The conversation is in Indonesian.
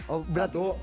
oh berat tuh